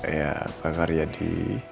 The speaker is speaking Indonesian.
ya pak karyadi